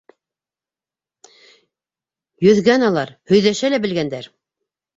Йөҙгән алар! һөйҙәшә лә белгәндәр!